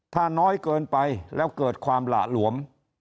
ถ้าน้อยเกินไปแล้วเกิดความหละหลวม